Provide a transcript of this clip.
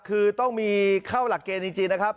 คือต้องมีเข้าหลักเกณฑ์จริงนะครับ